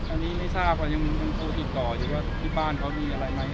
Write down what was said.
อันนี้ไม่ทราบว่ายังโทรติดต่ออยู่ว่าที่บ้านเขามีอะไรไหม